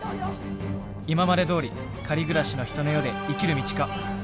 今までどおり借り暮らしの人の世で生きる道か？